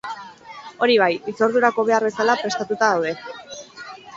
Hori bai, hitzordurako behar bezala prestatuta daude.